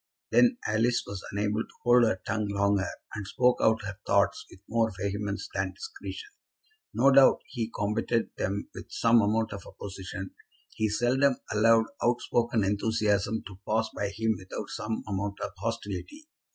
Then Alice was unable to hold her tongue longer, and spoke out her thoughts with more vehemence than discretion. No doubt he combated them with some amount of opposition. He seldom allowed out spoken enthusiasm to pass by him without some amount of hostility.